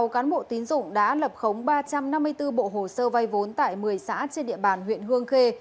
sáu cán bộ tín dụng đã lập khống ba trăm năm mươi bốn bộ hồ sơ vai vốn tại một mươi xã trên địa bàn huyện hương khê